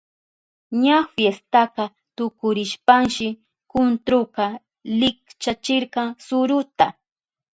Ña fiestaka tukurishpanshi kuntruka likchachirka suruta.